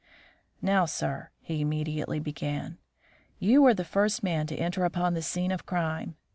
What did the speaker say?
"Now, sir," he immediately began, "you were the first man to enter upon the scene of crime.